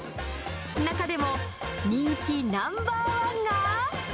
中でも、人気ナンバー１が。